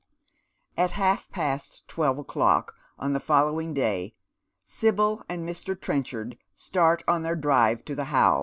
At half past twelve o'clock on the following day Sibyl and Mr. Trenchard start on their drive to the How.